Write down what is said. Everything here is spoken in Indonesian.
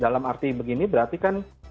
dalam arti begini berarti kan